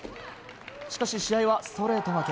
しかし、試合はストレート負け。